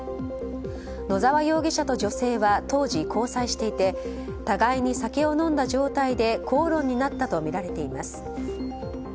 野沢容疑者と女性は当時、交際していて互いに酒を飲んだ状態で口論になったとみられています。